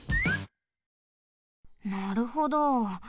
なるほど。